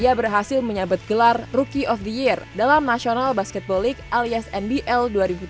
ia berhasil menyebut dengan gelar ruki of the year dalam national basketball league alias nbl dua ribu tiga belas